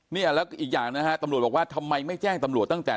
เนี่ยแล้วอีกอย่างนะฮะตำรวจบอกว่าทำไมไม่แจ้งตำรวจตั้งแต่